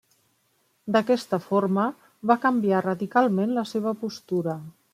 D'aquesta forma, va canviar radicalment la seva postura.